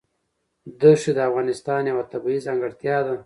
دښتې د افغانستان یوه طبیعي ځانګړتیا ده.